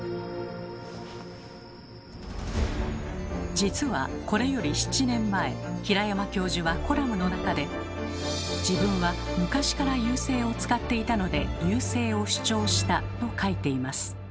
実はこれより７年前平山教授はコラムの中で自分は昔から「遊星」を使っていたので「遊星」を主張したと書いています。